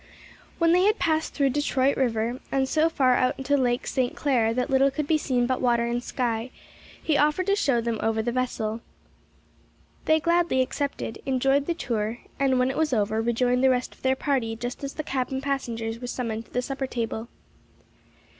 When they had passed through Detroit river and so far out into Lake St. Clair that little could be seen but water and sky, he offered to show them over the vessel. They gladly accepted, enjoyed the tour, and when it was over rejoined the rest of their party just as the cabin passengers were summoned to the supper table.